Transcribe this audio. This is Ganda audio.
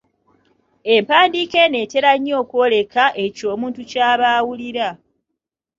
Empandiika eno etera nnyo okwoleka ekyo omuntu ky'aba awulira.